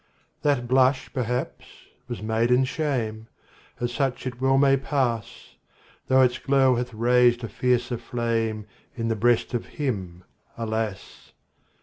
That blush, perhaps, was maiden shame As such it well may pass Though its glow hath raised a fiercer flame In the breast of him, alas!